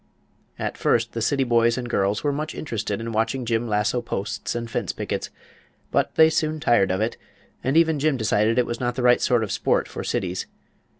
At first the city boys and girls were much interested in watching Jim lasso posts and fence pickets, but they soon tired of it, and even Jim decided it was not the right sort of sport for cities.